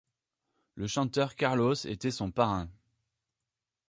Le chanteur Carlos était son parrain.